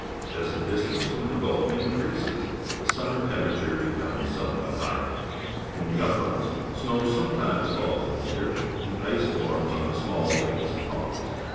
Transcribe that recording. As the distance from the Gulf increases, the sunmier temperature becomes somewhat higher. In the uplands snow sometimes falls in winter, and ice forms on the small lakes and ponds.